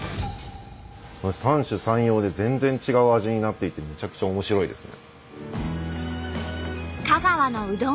三者三様で全然違う味になっていてむちゃくちゃ面白いですね。